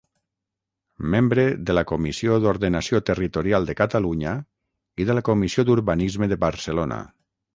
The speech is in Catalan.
Membre de la Comissió d’Ordenació Territorial de Catalunya i de la Comissió d’Urbanisme de Barcelona.